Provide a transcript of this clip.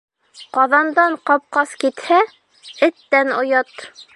Ҡаҙандан ҡапҡас китһә, эттән оят